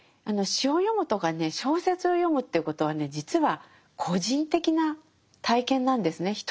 あの詩を読むとかね小説を読むということはね実は個人的な体験なんですね。